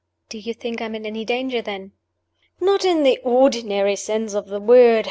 "Do you think I am in any danger, then?" "Not in the ordinary sense of the word.